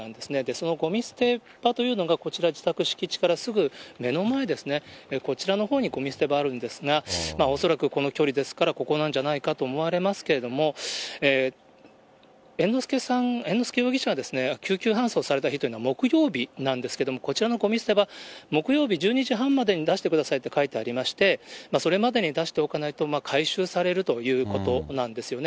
そのごみ捨て場というのがこちら、自宅敷地からすぐ目の前ですね、こちらのほうにごみ捨て場があるんですが、恐らくこの距離ですから、ここなんじゃないかと思われますけれども、猿之助容疑者が救急搬送された日というのは木曜日なんですけれども、こちらのごみ捨て場、木曜日１２時半までに出してくださいって書いてありまして、それまでに出しておかないと、回収されるということなんですよね。